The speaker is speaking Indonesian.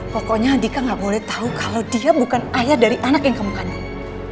pokoknya andika gak boleh tahu kalau dia bukan ayah dari anak yang kamu kandung